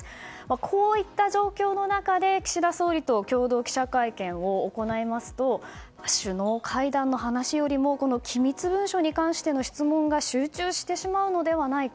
こういった状況の中で岸田総理と共同記者会見を行いますと首脳会談の話よりも機密文書に関しての質問が集中してしまうのではないか。